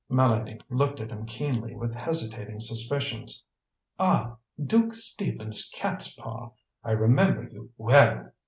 Mélanie looked at him keenly, with hesitating suspicions. "Ah! Duke Stephen's cat's paw! I remember you well!"